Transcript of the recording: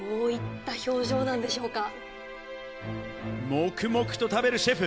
黙々と食べるシェフ。